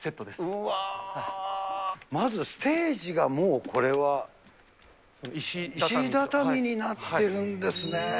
うわー、まず、ステージがもう、これは石畳になってるんですね。